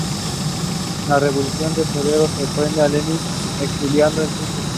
La Revolución de Febrero sorprende a Lenin exiliado en Suiza.